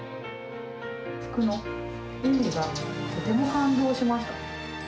福の意味がとても感動しました。